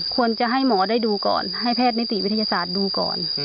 ควรจะให้หมอได้ดูก่อนให้แพทย์นิติวิทยาศาสตร์ดูก่อน